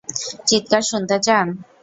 চিৎকার শুনতে চান?